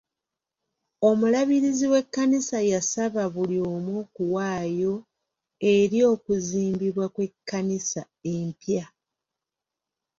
Omulabirizi w'ekkanisa yasaba buli omu okuwaayo eri okuzimbibwa kw'ekkanisa empya.